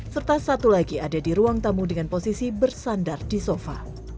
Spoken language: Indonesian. serta satu lagi ada di ruang tamu dengan posisi bersandar di sofa